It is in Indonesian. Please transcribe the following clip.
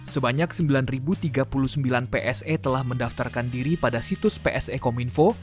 sebanyak sembilan tiga puluh sembilan pse telah mendaftarkan diri pada situs pse kominfo